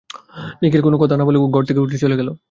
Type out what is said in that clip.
নিখিল কোনো কথা না বলে উঠে ঘর থেকে চলে গেল।